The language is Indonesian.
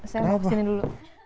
saya mau kesini dulu